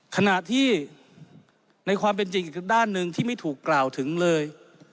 ขณะที่ในความเป็นจริงอีกด้านหนึ่งที่ไม่ถูกกล่าวถึงเลย